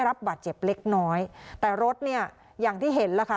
รับบาดเจ็บเล็กน้อยแต่รถเนี่ยอย่างที่เห็นล่ะค่ะ